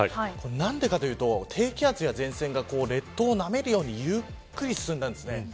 なぜかというと、低気圧や前線が列島をなめるようにゆっくり進みました。